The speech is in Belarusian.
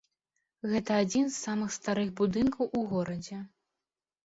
Гэта адзін з самых старых будынкаў у горадзе.